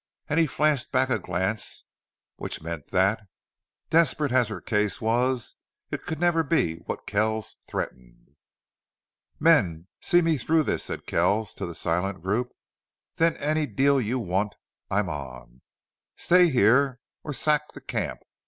And he flashed back a glance which meant that, desperate as her case was, it could never be what Kells threatened. "Men, see me through this," said Kells to the silent group. "Then any deal you want I'm on. Stay here or sack the camp!